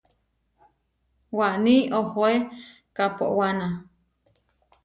Waní ohoé kaʼpowána.